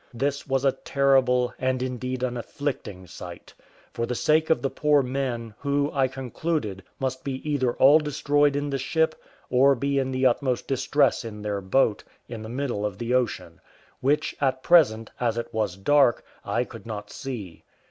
This was a terrible, and indeed an afflicting sight, for the sake of the poor men, who, I concluded, must be either all destroyed in the ship, or be in the utmost distress in their boat, in the middle of the ocean; which, at present, as it was dark, I could not see.